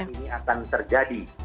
ini akan terjadi